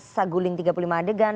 saguling tiga puluh lima adegan